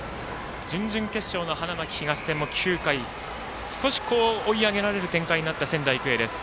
準々決勝の花巻東戦も９回、少し追い上げられる展開になった仙台育英です。